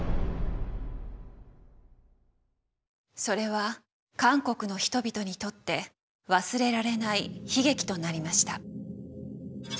それは韓国の人々にとって忘れられない悲劇となりました。